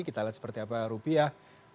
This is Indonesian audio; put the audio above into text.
kita lihat seperti apa rupiah